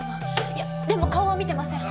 いやでも顔は見てません。